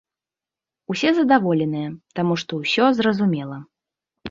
Усе задаволеныя, таму што ўсё зразумела.